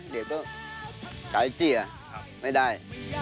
เดี๋ยวก็ขายเจียไม่ได้